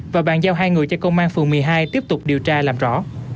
và bàn giao hai người cho công an phường một mươi hai tiếp tục điều tra làm rõ